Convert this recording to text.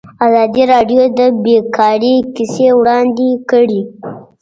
ازادي راډیو د بیکاري کیسې وړاندې کړي.